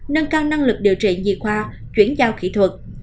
nâng cao năng lực điều trị nhì khoa chuyển giao kỹ thuật